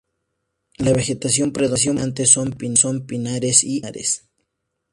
La vegetación predominante son pinares y encinares.